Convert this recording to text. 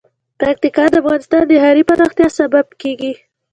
پکتیکا د افغانستان د ښاري پراختیا سبب کېږي.